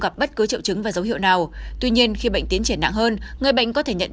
gặp bất cứ triệu chứng và dấu hiệu nào tuy nhiên khi bệnh tiến triển nặng hơn người bệnh có thể nhận